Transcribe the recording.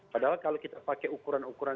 padahal kalau kita pakai ukuran ukuran